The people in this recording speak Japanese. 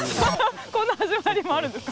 こんな始まりもあるんですか。